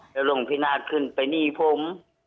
แล้วลงพินาศขึ้นไปนี่ผม